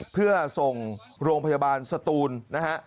เพื่อส่งโรงพยาบาลสตูนนะฮะ